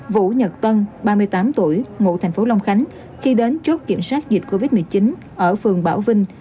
vũ nhật tân ba mươi tám tuổi ngụ thành phố long khánh khi đến chốt kiểm soát dịch covid một mươi chín ở phường bảo vinh